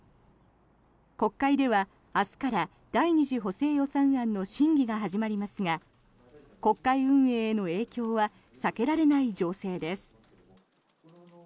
国会では明日から第２次補正予算案の審議が始まりますが国会運営への影響は避けられない情勢です。